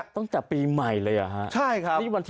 ต้องจับปีใหม่เลยอ่ะฮะใช่ครับนี่วันที่